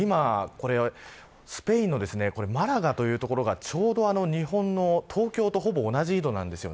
スペインのマラガという所がちょうど日本の東京とほぼ同じ緯度なんです。